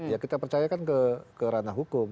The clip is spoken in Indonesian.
ya kita percayakan ke ranah hukum